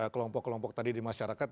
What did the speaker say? kelompok kelompok tadi di masyarakat